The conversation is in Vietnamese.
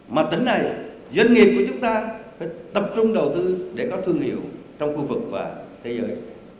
mà tỉnh này doanh nghiệp của chúng ta phải tập trung đầu tư để có thương hiệu trong khu vực và thế giới